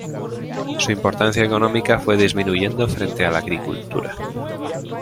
Su importancia económica fue disminuyendo frente a la agricultura.